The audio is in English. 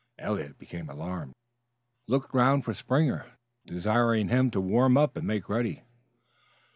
Eliot, becoming alarmed, looked round for Springer, desiring him to warm up and make ready.